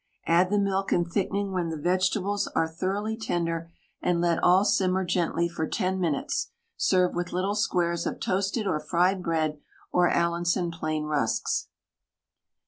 Add the milk and thickening when the vegetables are thoroughly tender, and let all simmer gently for 10 minutes; serve with little squares of toasted or fried bread, or Allinson plain rusks.